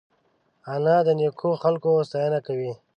انا د نیکو خلکو ستاینه کوي